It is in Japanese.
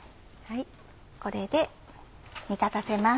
これで煮立たせます。